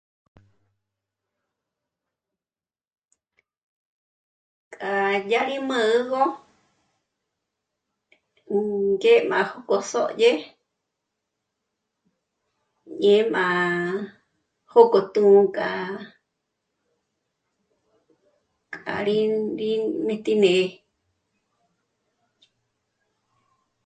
K'â yá rí mü̂'ügö ngé m'ájkösódyé, dyém'a jókò tûnka k'ârínm'íti né'e